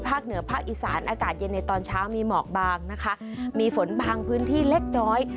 เหนือภาคอีสานอากาศเย็นในตอนเช้ามีหมอกบางนะคะมีฝนบางพื้นที่เล็กน้อย